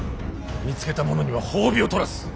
見つけた者には褒美を取らす。